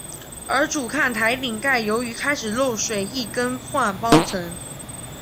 而主看台顶盖由于开始漏水亦更换包层。